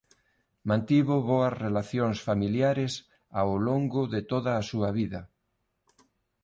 Mantivo boas relacións familiares ao longo de toda a súa vida.